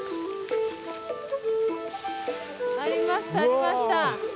ありましたありました。